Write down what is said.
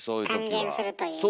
還元するというね。